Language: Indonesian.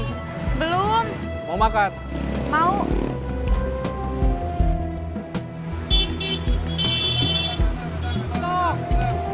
nih disini belt nya agak advance tuh sombrero datengi